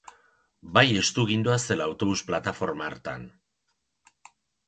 Bai estu gindoazela autobus-plataforma hartan!